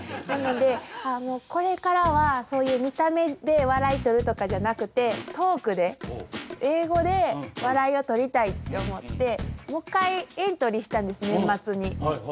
なのでもうこれからはそういう見た目で笑い取るとかじゃなくてトークで英語で笑いを取りたいって思ってもう一回エントリーしたんです年末に。